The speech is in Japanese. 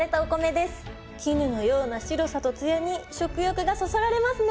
絹のような白さとつやに食欲がそそられますね！